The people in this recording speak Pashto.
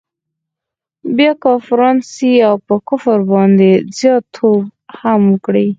بیا کافران سي او پر کفر باندي زیات توب هم وکړي.